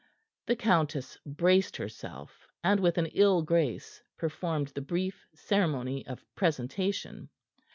The countess braced herself, and with an ill grace performed the brief ceremony of presentation.